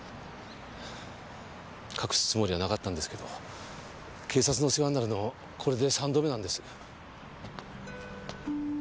隠すつもりはなかったんですけど警察の世話になるのこれで３度目なんです。